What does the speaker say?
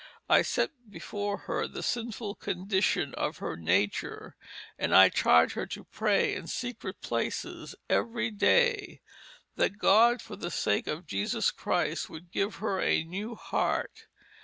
I sett before her the sinful Condition of her Nature, and I charged her to pray in Secret Places every Day. That God for the sake of Jesus Christ would give her a New Heart.